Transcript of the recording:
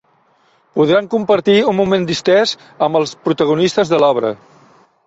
Podran compartir un moment distès amb els protagonistes de l'obra.